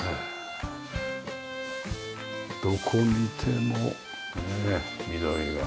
どこ見ても緑が。